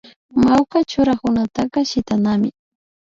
Mawka churanakunataka shitanami